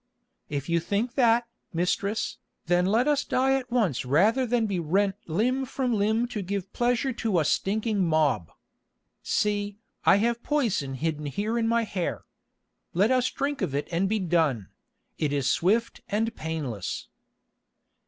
"If you think that, mistress, then let us die at once rather than be rent limb from limb to give pleasure to a stinking mob. See, I have poison hidden here in my hair. Let us drink of it and be done: it is swift and painless."